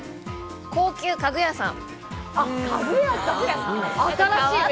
高級家具屋さん。